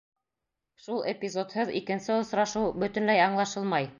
Шул эпизодһыҙ икенсе осрашыу бөтөнләй аңлашылмай!